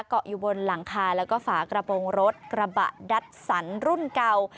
เกาะอยู่บนหลังคาแล้วก็ฝากระโปรงรถกระบะดัสสันรุ่นเก่า